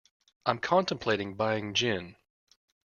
I’m contemplating buying gin.